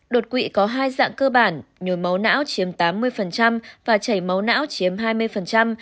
đột quỵ có hai dạng cơ bản nhồi máu não chiếm tám mươi và chảy máu não chiếm hai mươi